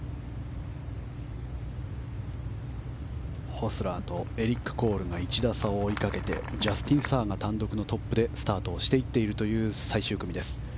ホスラーとエリック・コールが１打差を追いかけてジャスティン・サーが単独のトップでスタートしていっている最終組です。